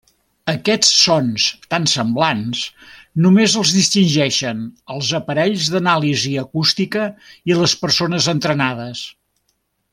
Aquests sons tan semblants només els distingeixen els aparells d'anàlisi acústica i les persones entrenades.